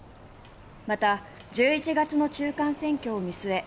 また１１月の中間選挙を見据え